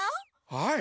はい。